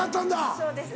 そうです。